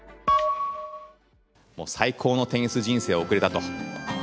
最高のテニス人生を送れたと。